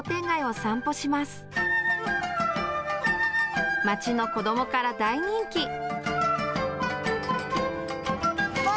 街の子どもから大人気。